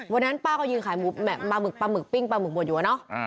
วันนั้นป้าก็ยืนขายปลาหมึกปลาหมึกปิ้งปลาหมึกหมดอยู่อะเนาะ